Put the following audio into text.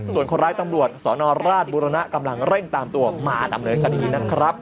ส่วนคนร้ายตำรวจสนราชบุรณะกำลังเร่งตามตัวมาดำเนินคดีนะครับ